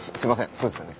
そうですよね。